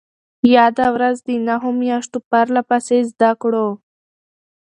ياده ورځ د نهو مياشتو پرلهپسې زدهکړو